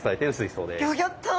ギョギョッと！